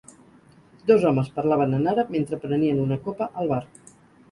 Dos homes parlaven en àrab mentre prenien una copa al bar.